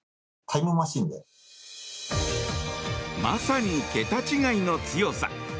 まさに桁違いの強さ。